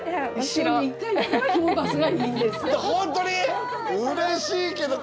本当に？